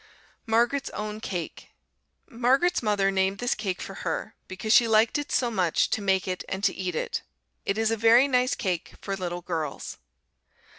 Margaret's Own Cake Margaret's mother named this cake for her, because she liked it so much to make it and to eat it. It is a very nice cake for little girls.